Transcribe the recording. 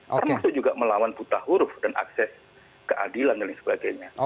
termasuk juga melawan buta huruf dan akses keadilan dan lain sebagainya